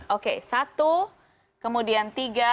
oke satu kemudian tiga lima tujuh